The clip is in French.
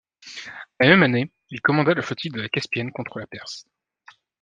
La même année, il commanda la flottille de la Caspienne contre la Perse.